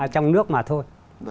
trong nước mà thôi